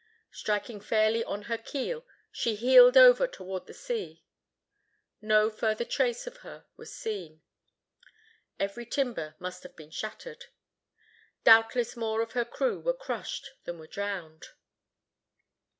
Striking fairly on her keel, she heeled over toward the sea. No further trace of her was seen. Every timber must have been shattered. Doubtless more of her crew were crushed than were drowned.